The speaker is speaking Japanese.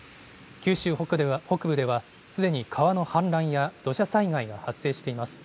九州北部ではすでに川の氾濫や土砂災害が発生しています。